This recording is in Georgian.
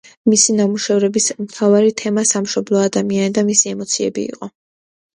მისი ნამუშევრების მთავარი თემა სამშობლო, ადამიანი და მისი ემოციები იყო.